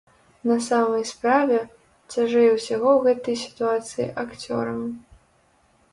На самай справе, цяжэй усяго ў гэтай сітуацыі акцёрам.